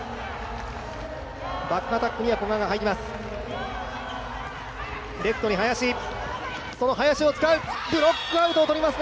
バックアタックには古賀が入ります。